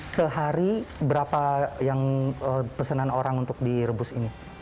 sehari berapa yang pesanan orang untuk direbus ini